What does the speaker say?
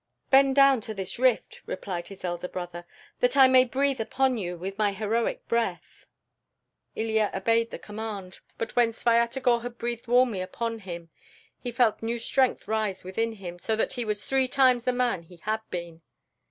"Bend down to this rift," replied his elder brother, "that I may breathe upon you with my heroic breath." Ilya obeyed the command, and when Svyatogor had breathed warmly upon him, he felt new strength rise within him, so that he was three times the man he had been.